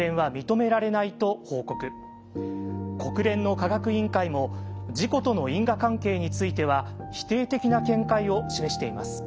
国連の科学委員会も事故との因果関係については否定的な見解を示しています。